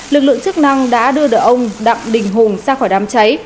lực lượng chức năng đã đưa được ông đặng đình hùng ra khỏi đám cháy